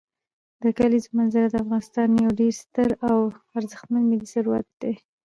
د کلیزو منظره د افغانستان یو ډېر ستر او ارزښتمن ملي طبعي ثروت دی.